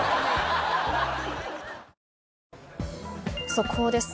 速報です。